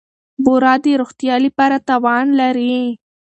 بوره د روغتیا لپاره تاوان لري.